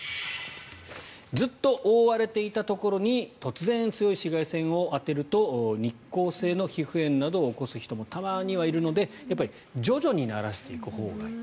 ずっと覆われていたところに突然、強い紫外線を当てると日光性の皮膚炎などを起こす人もたまにはいるのでやっぱり徐々に慣らしていくほうがいい。